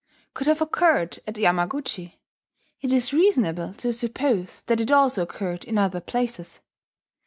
] could have occurred at Yamaguchi, it is reasonable to suppose that it also occurred in other places.